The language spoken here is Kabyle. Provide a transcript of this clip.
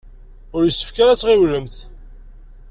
Ur yessefk ara ad tɣiwlemt.